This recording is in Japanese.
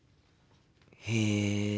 へえ。